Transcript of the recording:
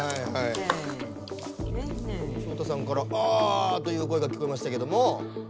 照太さんから「ああ」という声が聞こえましたけども。